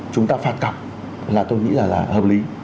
chúng ta phạt cặp là tôi nghĩ là là hợp lý